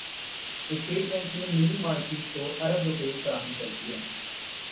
state Bank نےمنی market کو ارب روپے فراہم کردیے